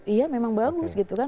iya memang bagus gitu kan